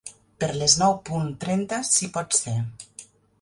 Per les nou punt trenta si pot ser.